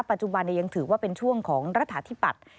ปัจจุบันยังถือว่าเป็นช่วงของรัฐาธิปัตย์